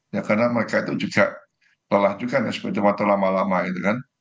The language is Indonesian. ya karena mereka itu juga lelah juga sepeda motor lama lama gitu kan